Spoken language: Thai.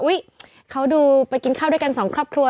เขาดูไปกินข้าวด้วยกันสองครอบครัว